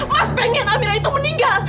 mas pengen amira itu meninggal